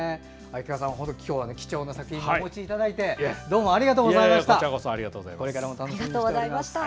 秋川さん、今日は貴重な作品お持ちいただいてありがとうございました。